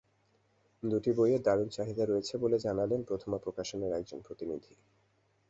দুটি বইয়ের দারুণ চাহিদা রয়েছে বলে জানালেন প্রথমা প্রকাশনের একজন প্রতিনিধি।